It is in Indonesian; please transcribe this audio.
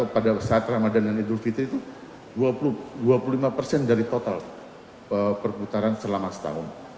pada saat ramadan dan idul fitri itu dua puluh lima persen dari total perputaran selama setahun